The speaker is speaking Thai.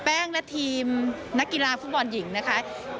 แป้งและทีมนักกีฬาผู้บอลหญิงนะครับ